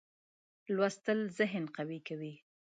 لوستل زه قوي کوي.